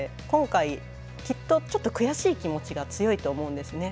今回、きっとちょっと悔しい気持ちが強いと思うんです。